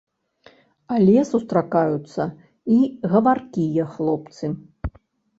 Але сустракаюцца і гаваркія хлопцы.